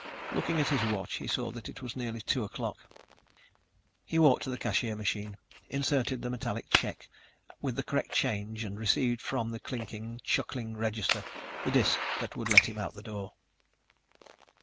Looking at his watch, he saw that it was nearly two o'clock. He walked to the cashier machine, inserted the metallic check with the correct change and received from the clicking, chuckling register the disk that would let him out the door.